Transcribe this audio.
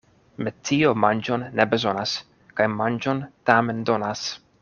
Metio manĝon ne bezonas kaj manĝon tamen donas.